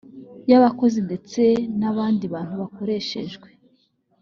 y abakozi ndetse n abandi bantu bakoreshejwe